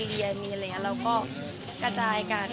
ก็สเรียนมีอะไรอย่างนี้แล้วก็กระจายกัน